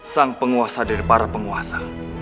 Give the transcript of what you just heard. sang penguasa dari para penguasa